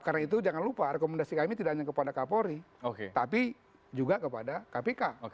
karena itu jangan lupa rekomendasi kami tidak hanya kepada kapolri tapi juga kepada kpk